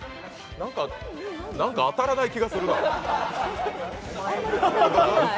なんかなんか当たらない気がするな。